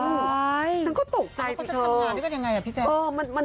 ใช่มันก็จะทำงานด้วยกันยังไงพี่แจ๊